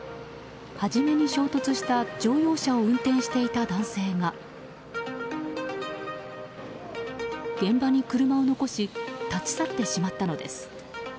初めに衝突した乗用車を運転していた男性が現場に車を残し立ち去ってしまったのです。